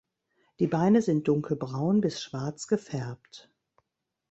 Die Beine sind dunkelbraun bis schwarz gefärbt.